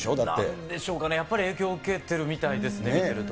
なんでしょうかね、やっぱり影響受けてるみたいです、見てると。